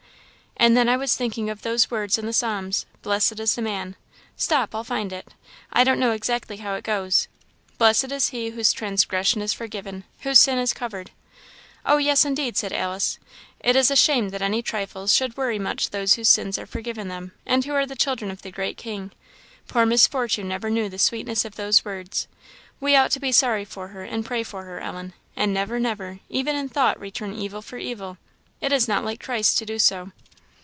"And then I was thinking of those words in the Psalms 'Blessed is the man' stop, I'll find it; I don't know exactly how it goes; 'Blessed is he whose transgression is forgiven; whose sin is covered.' " "Oh, yes, indeed!" said Alice. "It is a shame that any trifles should worry much those whose sins are forgiven them, and who are the children of the great King. Poor Miss Fortune never knew the sweetness of those words. We ought to be sorry for her, and pray for her, Ellen; and never, never, even in thought, return evil for evil. It is not like Christ to do so."